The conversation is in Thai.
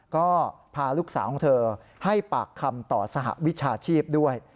ก็พาลูกสาวของเธอให้ปากคำต่อสหวิชาชีพด้วย